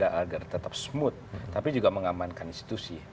agar tetap smooth tapi juga mengamankan institusi